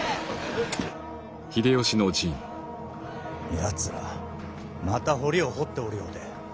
やつらまた堀を掘っておるようで。